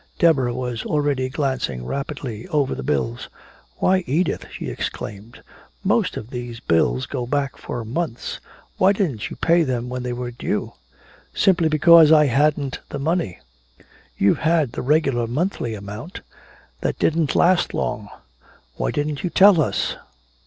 Deborah was already glancing rapidly over the bills. "Why, Edith," she exclaimed, "most of these bills go back for months. Why didn't you pay them when they were due?" "Simply because I hadn't the money!" "You've had the regular monthly amount." "That didn't last long " "Why didn't you tell us?"